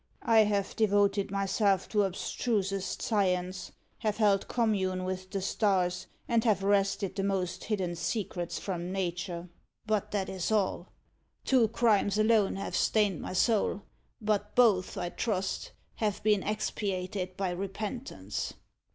I have devoted myself to abstrusest science, have held commune with the stars, and have wrested the most hidden secrets from Nature but that is all. Two crimes alone have stained my soul; but both, I trust, have been expiated by repentance."